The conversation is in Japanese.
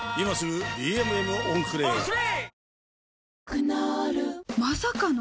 クノールまさかの！？